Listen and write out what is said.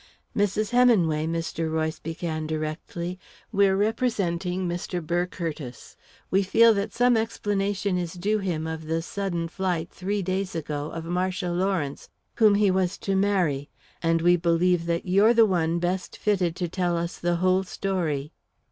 "Mrs. Heminway," Mr. Royce began directly, "we're representing Mr. Burr Curtiss. We feel that some explanation is due him of the sudden flight, three days ago, of Marcia Lawrence, whom he was to marry; and we believe that you're the one best fitted to tell us the whole story."